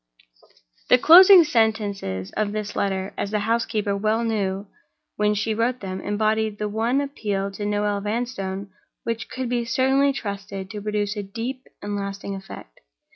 The closing sentences of this letter—as the housekeeper well knew when she wrote them—embodied the one appeal to Noel Vanstone which could be certainly trusted to produce a deep and lasting effect.